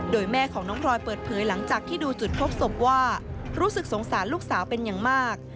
โดยแม่ของน้องพลอยเปิดเผยหลังจากที่ดูจุดพบศพว่ารู้สึกสงสารลูกสาวเป็นอย่างมาก